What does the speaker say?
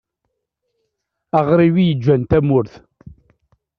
Aɣrib i yeǧǧan tamurt.